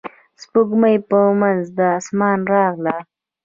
سپوږمۍ په منځ د اسمان راغله.